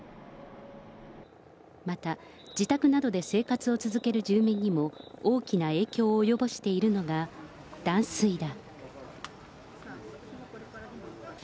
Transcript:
また、自宅などで生活を続ける住民にも、大きな影響を及ぼしているのが、断水だ。